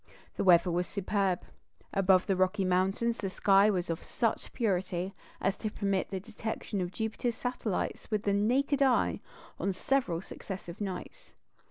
The weather was superb; above the Rocky Mountains the sky was of such purity as to permit the detection of Jupiter's satellites with the naked eye on several successive nights.